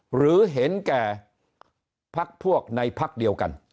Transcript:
หรือเห็นแก่พักพวกในพักเดียวกัน